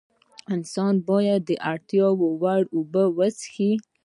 انسان باید د اړتیا وړ اوبه وڅښي